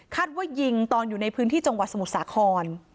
ว่ายิงตอนอยู่ในพื้นที่จังหวัดสมุทรสาคร